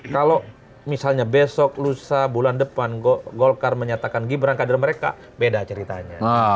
kalau misalnya besok lusa bulan depan golkar menyatakan gibran kader mereka beda ceritanya